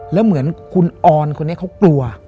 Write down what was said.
แล้วเหมือนคุณออนเขากลัว